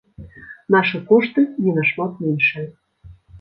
Нашы кошты не нашмат меншыя.